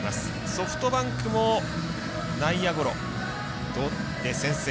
ソフトバンクも内野ゴロで先制。